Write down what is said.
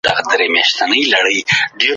صنعتي سکتور څنګه د پانګې ګټه زیاتوي؟